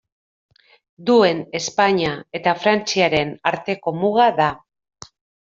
Duen Espainia eta Frantziaren arteko muga da.